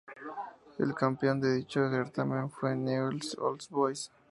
El campeón de dicho certamen fue Newells Old Boys.